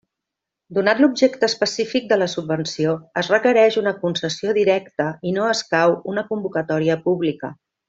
Donat l'objecte específic de la subvenció, es requereix una concessió directa i no escau una convocatòria pública.